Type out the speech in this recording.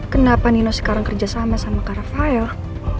kenapa nino sekarang kerja sama sama kara file